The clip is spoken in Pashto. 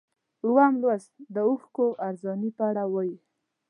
اووم لوست د اوښکو ارزاني په اړه دی.